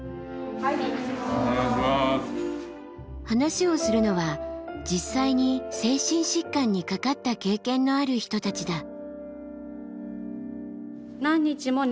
話をするのは実際に精神疾患にかかった経験のある人たちだ。